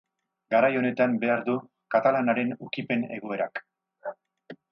Garai honetan behar du katalanaren ukipen egoerak.